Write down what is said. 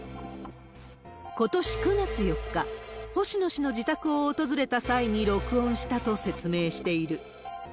ことし９月４日、星野氏の自宅を訪れた際に録音したと説明している。